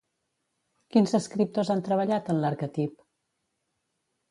Quins escriptors han treballat en l'arquetip?